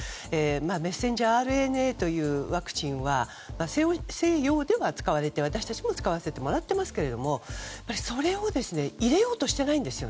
メッセンジャーＲＮＡというワクチンは西洋では使われて私たちも使わせてもらっていますがそれを入れようとしていないんです。